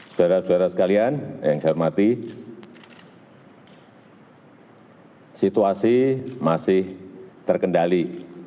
saudara saudara sekalian yang saya hormati situasi masih terkendali